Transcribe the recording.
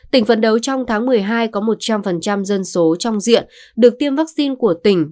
tỉnh phấn đấu trong tháng một mươi hai có một trăm linh dân số trong diện được tiêm vaccine của tỉnh